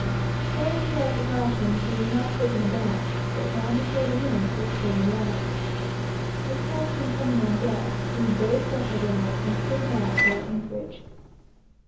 Owing to our precautions, we were not taken aback, but ran before the wind with square yards. The captain coming on deck, we braced up a little and stood back for our anchorage.